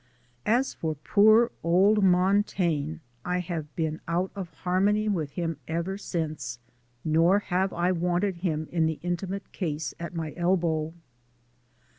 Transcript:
As for poor old Montaigne, I have been out of harmony with him ever since, nor have I wanted him in the intimate case at my elbow.